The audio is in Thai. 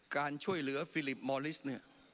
การช่วยเหลือฟิลิปมอลิสเนี่ย